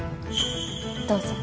どうぞ。